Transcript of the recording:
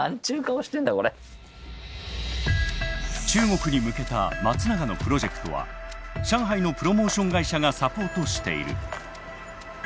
中国に向けた松永のプロジェクトは上海のプロモーション会社がサポートしている。